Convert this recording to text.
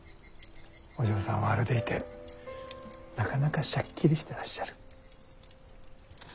お嬢さんはあれでいてなかなかシャッキリしてらっしゃる。